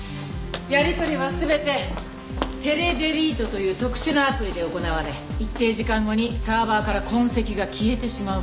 やり取りは全てテレデリートという特殊なアプリで行われ一定時間後にサーバーから痕跡が消えてしまうそうなの。